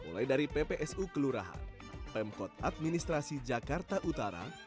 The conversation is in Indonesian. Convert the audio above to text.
mulai dari ppsu kelurahan pemkot administrasi jakarta utara